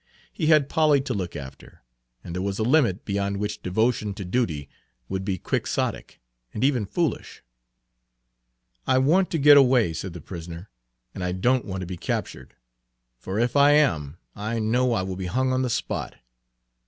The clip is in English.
He had Polly to look after, and there was a limit beyond which devotion to duty would be quixotic and even foolish. "I want to get away," said the prisoner, "and I don't want to be captured; for if I am I know I will be hung on the spot.